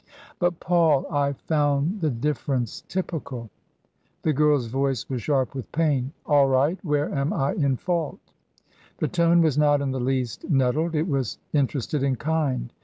" But, Paul ! I found the difference typical !" The girl's voice was sharp with pain. " All right ! Where am I in fault ?" The tone was not in the least nettled ; it was inter ested and kind.